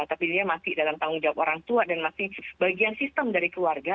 tapi dia masih dalam tanggung jawab orang tua dan masih bagian sistem dari keluarga